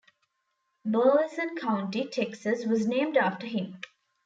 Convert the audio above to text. Burleson County, Texas, was named after him.